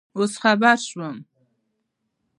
اوس خبر شوم